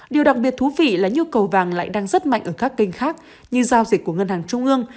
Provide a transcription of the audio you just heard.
điều đặc biệt thú vị là nhu cầu vàng lại đang rất mạnh ở các kênh khác như giao dịch của ngân hàng trung ương